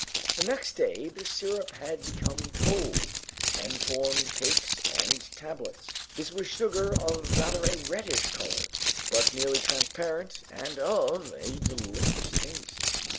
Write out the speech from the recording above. The next day this syrup had become cold, and formed cakes and tablets. This was sugar of rather a reddish color, but nearly transparent and of a delicious taste.